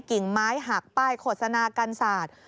กิ่งไม้หักป้ายโขดสนากันสาด